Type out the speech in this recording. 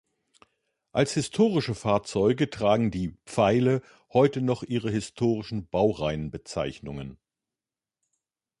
Als historische Fahrzeuge tragen die «Pfeile» heute noch ihre historischen Baureihenbezeichnungen.